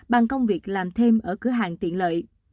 bằng công việc làm thêm ở cửa hàng tiện lợi